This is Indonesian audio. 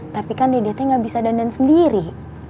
tapi kan dede teh gak bisa dandan sendiri